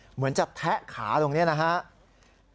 เหมือนจะแทะขาตรงนี้นะครับ